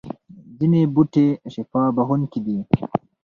ځینې بوټي شفا بخښونکي دي